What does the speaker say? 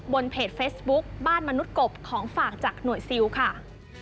เพจเฟซบุ๊คบ้านมนุษย์กบของฝากจากหน่วยซิลค่ะ